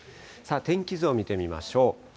天気図を見てみましょう。